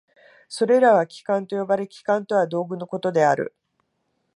それらは器官と呼ばれ、器官とは道具のことである。